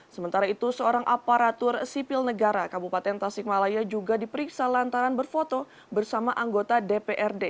sementara itu seorang aparatur sipil negara kabupaten tasikmalaya juga diperiksa lantaran berfoto bersama anggota dprd